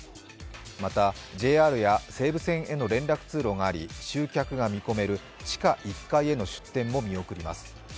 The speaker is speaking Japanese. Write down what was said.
またＪＲや西武戦への連絡通路があり集客が見込める地下１階への出店も見送ります。